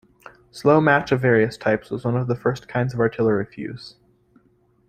Slow match of various types was one of the first kinds of artillery fuse.